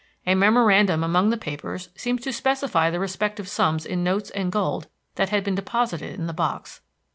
A memorandum among the papers seemed to specify the respective sums in notes and gold that had been deposited in the box.